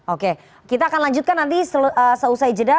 oke kita akan lanjutkan nanti seusai jeda